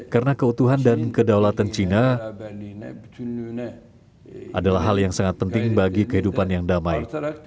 karena keutuhan dan kedaulatan china adalah hal yang sangat penting bagi kehidupan yang damai